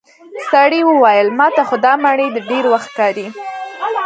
سړي وويل: ماته خو دا مړی د ډېر وخت ښکاري.